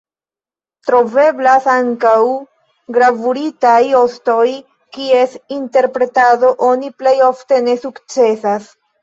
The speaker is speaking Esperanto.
Troveblas ankaŭ gravuritaj ostoj, kies interpretado oni plej ofte ne sukcesas.